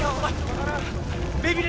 dompet saya ketinggalan di mobil tuan